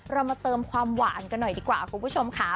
เรามาเติมความหวานกันหน่อยดีกว่าคุณผู้ชมค่ะ